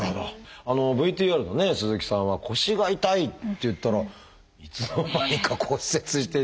ＶＴＲのね鈴木さんは腰が痛いっていったらいつの間にか骨折していたって。